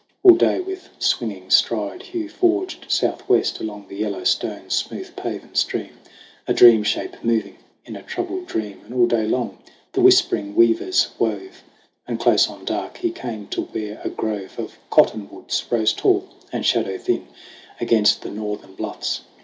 All day with swinging stride Hugh forged south west Along the Yellowstone's smooth paven stream, A dream shape moving in a troubled dream ; And all day long the whispering weavers wove. And close on dark he came to where a grove Of cottonwoods rose tall and shadow thin Against the northern bluffs.